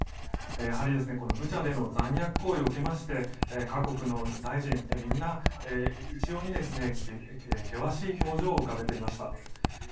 やはりブチャでの残虐行為を受けまして各国の大臣みんな一様に険しい表情を浮かべていました。